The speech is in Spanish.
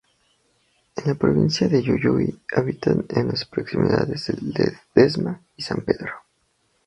En la provincia de Jujuy habitan en las proximidades de Ledesma y San Pedro.